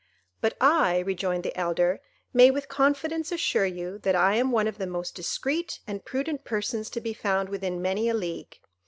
"But I," rejoined the elder, "may with confidence assure you, that I am one of the most discreet and prudent persons to be found within many a league.